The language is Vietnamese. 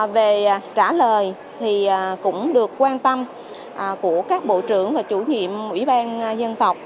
về trả lời thì cũng được quan tâm của các bộ trưởng và chủ nhiệm ủy ban dân tộc